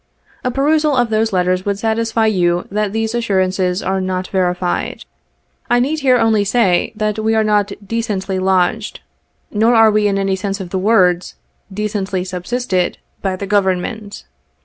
A perusal of those letters would satisfy you that these assurances are not verified. I need here only say, that we are not " decently lodged," nor are we in any sense of the words "decently subsisted" by the Government.